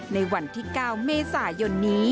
ในวันที่๙เมษายนนี้